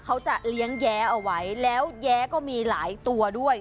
เขาจะเลี้ยงแย้เอาไว้แล้วแย้ก็มีหลายตัวด้วย